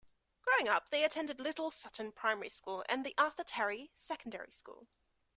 Growing up, they attended Little Sutton Primary School and the Arthur Terry Secondary School.